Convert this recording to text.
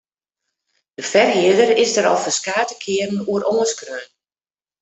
De ferhierder is der al ferskate kearen oer oanskreaun.